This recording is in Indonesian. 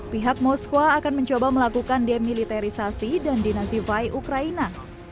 pihak moskwa akan mencoba melakukan demiliterisasi dan dinasifai ukraina